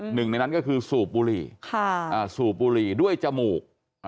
หนึ่งในนั้นก็คือสูบบุหรี่สูบบุหรี่ด้วยจมูก